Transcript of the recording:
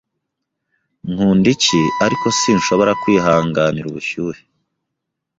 Nkunda icyi, ariko sinshobora kwihanganira ubushyuhe